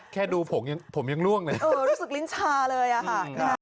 แค่ดูผมยังผมยังล่วงเลยเออรู้สึกลิ้นชาเลยอะค่ะ